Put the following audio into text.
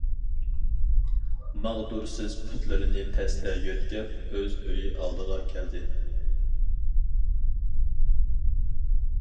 ماغدۇرسىز پۇتلىرىنى تەستە يۆتكەپ ئۆز ئۆيى ئالدىغا كەلدى.